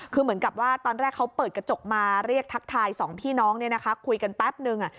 คือเหมือนกับว่าตอนแรกเขาเปิดกระจกมาเรียกทักทายสองพี่น้องคุยกันแป๊บนึง